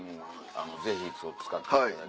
ぜひ使っていただいて。